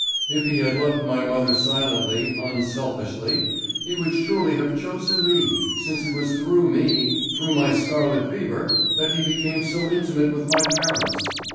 If he had loved my mother silently, unselfishly, he would surely have chosen me, since it was through me, through my scarlet fever, that he became so intimate with my parents.